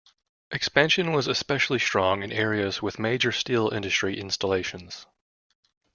Expansion was especially strong in areas with major steel industry installations.